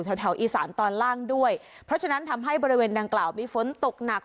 แถวแถวอีสานตอนล่างด้วยเพราะฉะนั้นทำให้บริเวณดังกล่าวมีฝนตกหนัก